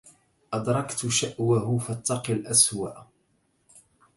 أدركت شأوك فاتق الأسواء